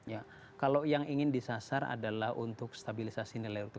ya kalau yang ingin disasar adalah untuk stabilisasi nilai utuh